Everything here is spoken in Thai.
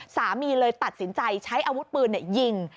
สามีเลยตัดสินใจใช้อาวุธปืนยิง